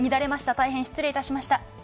大変失礼いたしました。